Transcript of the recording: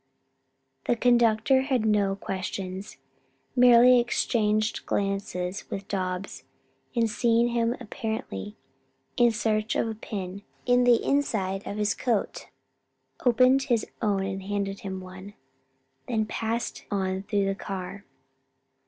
The conductor asked no questions; merely exchanged glances with Dobbs, and seeing him apparently in search of a pin in the inside of his coat, opened his own and handed him one, then passed on through the car.